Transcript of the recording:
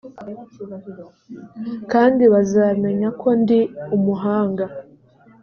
kandi bazamenya ko ndi umuhanga